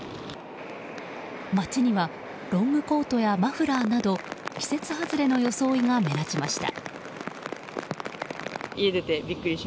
街にはロングコートやマフラーなど季節外れの装いが目立ちました。